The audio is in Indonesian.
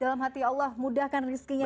dalam hati allah mudahkan rizkinya